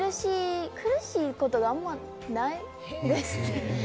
苦しいことがあまりないです。